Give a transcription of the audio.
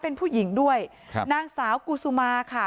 เป็นผู้หญิงด้วยครับนางสาวกูซุมาค่ะ